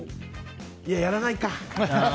いや、やらないか。